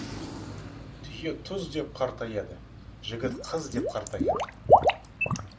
Түйе тұз деп қартаяды, жігіт қыз деп қартаяды.